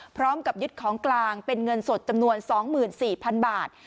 พร้อมกับยึดของกลางเป็นเงินสดจำนวนสองหมื่นสี่พันบาท